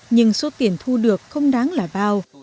nhưng số tiền thu được không đáng là bao